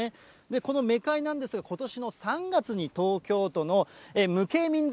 このメカイなんですが、ことしの３月に、東京都の無形民俗